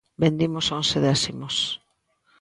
Vendimos once décimos.